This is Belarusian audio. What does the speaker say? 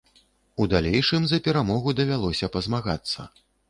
У далейшым за перамогу давялося пазмагацца.